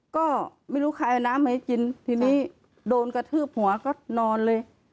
ก็ไม่รู้ใครเอาน้ำมาให้กินทีนี้โดนกระทืบหัวก็นอนเลย